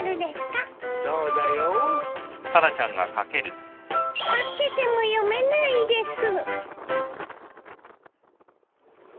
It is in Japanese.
かけても読めないです。